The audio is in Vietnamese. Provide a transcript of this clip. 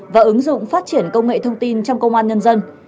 và ứng dụng phát triển công nghệ thông tin trong công an nhân dân